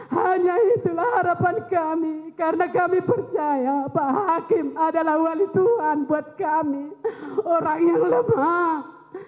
hanya itulah harapan kami karena kami percaya pak hakim adalah wali tuhan buat kami orang yang lemah